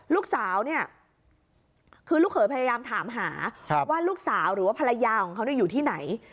ลูกสาวเนี่ยคือลูกเขยพยายามถามหาว่าลูกสาวหรือว่าภรรยาของเขาอยู่ที่ไหน